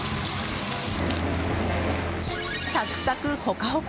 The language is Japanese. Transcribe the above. サクサク、ホカホカ！